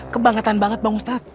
kebangetan banget bang ustaz